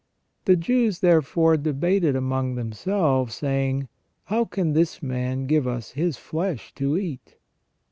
The Jews, therefore, debated among themselves, saying: How can this man give us His flesh to eat?"